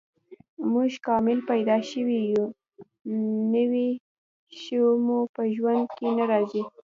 موږ کامل پیدا شوي یو، نوی شی مو په ژوند کې نه راځي.